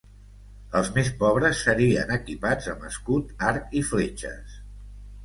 Els més pobres serien equipats amb escut, arc i fletxes.